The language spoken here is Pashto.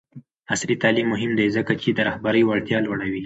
عصري تعلیم مهم دی ځکه چې د رهبرۍ وړتیا لوړوي.